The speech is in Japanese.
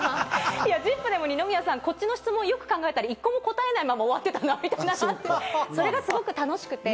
『ＺＩＰ！』でも二宮さん、こっちの質問よく考えたら、１個も答えないまま終わってたなって、それがすごく楽しくて。